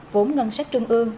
vốn ngân sách trưng ương